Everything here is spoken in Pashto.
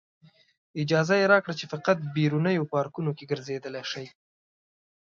اجازه یې راکړه چې فقط بیرونیو پارکونو کې ګرځېدلی شئ.